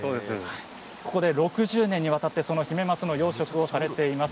ここで６０年にわたってヒメマスの養殖をされています。